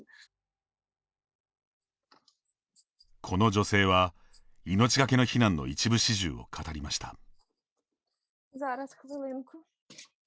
この女性は、命がけの避難の一部始終を語りました。